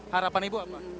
harapan ibu apa